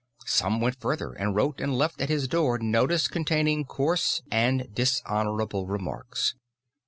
Some went further and wrote and left at his door notice containing coarse and dishonorable remarks.